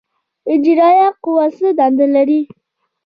اجرائیه قوه څه دنده لري؟